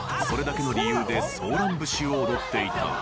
［それだけの理由で『ソーラン節』を踊っていた］